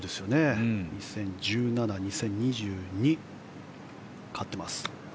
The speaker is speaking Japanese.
２０１７、２０２２に勝っていますね。